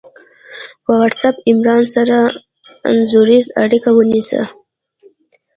په وټس آپ عمران سره انځوریزه اړیکه ونیسه